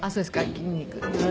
筋肉。